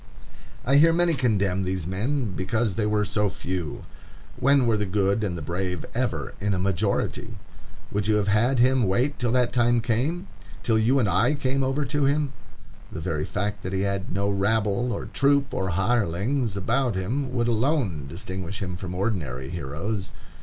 I hear many condemn these men because they were so few. When were the good and the brave ever in a majority? Would you have had him wait till that time came?—till you and I came over to him? The very fact that he had no rabble or troop of hirelings about him would alone distinguish him from ordinary heroes.